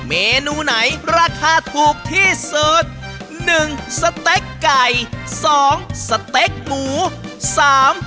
เมนูไหนราคาถูกที่สุดหนึ่งสเต็กไก่สองสเต็กหมูสาม